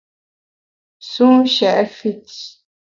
Sun shèt fit.